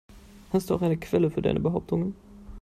Hast du auch eine Quelle für deine Behauptungen?